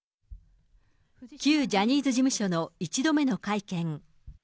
旧ジャニーズ事務所の１度目の会見。